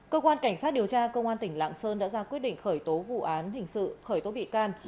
cơ quan cảnh sát điều tra công an tỉnh lạng sơn đã ra quyết định khởi tố vụ án hình sự khởi tố bị can